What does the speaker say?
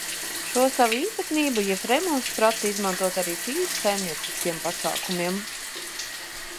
Šo savu īpatnību Jefremovs prata izmantot arī tīri saimnieciskiem pasākumiem.